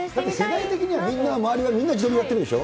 世代的には周り、みんな自撮りやってるでしょ？